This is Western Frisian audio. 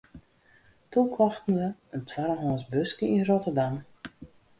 Doe kochten we in twaddehânsk buske yn Rotterdam.